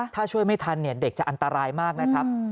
ถ้าช่วยไม่ทันเด็กจะอันตรายมากนะครับ